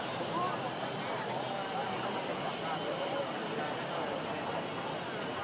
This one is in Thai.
สวัสดีครับสวัสดีครับ